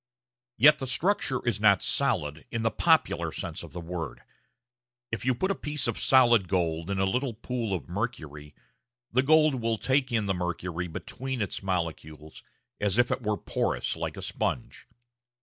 Yet the structure is not "solid" in the popular sense of the word. If you put a piece of solid gold in a little pool of mercury, the gold will take in the mercury between its molecules, as if it were porous like a sponge.